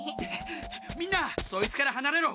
みんなそいつからはなれろ。